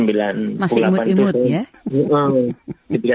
masih imut imut ya